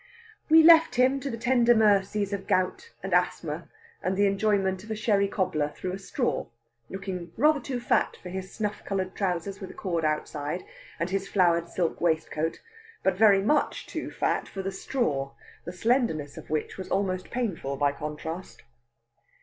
We left him to the tender mercies of gout and asthma, and the enjoyment of a sherry cobbler through a straw, looking rather too fat for his snuff coloured trousers with a cord outside, and his flowered silk waistcoat; but very much too fat for the straw, the slenderness of which was almost painful by contrast.